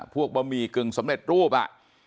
พวกบะหมี่กึ่งสำเร็จรูปอ่ะ